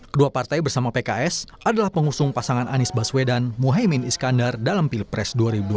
kedua partai bersama pks adalah pengusung pasangan anies baswedan muhaymin iskandar dalam pilpres dua ribu dua puluh